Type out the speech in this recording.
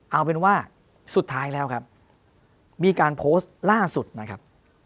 เอาเป็นว่าสุดท้ายแล้วครับมีการโพสต์ล่าสุดนะครับ